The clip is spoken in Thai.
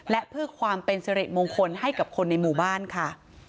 และเพื่อความเป็นสิริมงคลให้กับคนในหมู่บ้านค่ะ